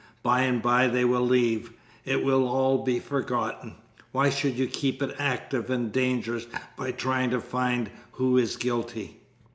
By and by they will leave. It will all be forgotten. Why should you keep it active and dangerous by trying to find who is guilty?"